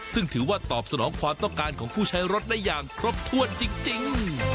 ซึ่งถือว่าตอบสนองความต้องการของผู้ใช้รถได้อย่างครบถ้วนจริง